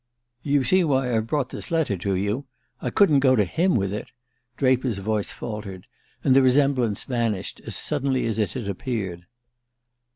"You see why I've brought this letter to you I couldn't go to him with it!" Draper's voice faltered, and the resemblance vanished as suddenly as it had appeared.